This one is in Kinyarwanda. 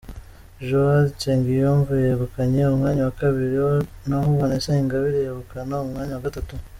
Johali Nsengiyumva yegukanye umwanya wa kabiri naho Vanessa Ingabire yegukana umwanya wa gatatu.